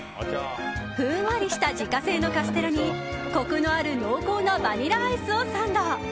ふんわりした自家製のカステラにコクのある濃厚なバニラアイスをサンド。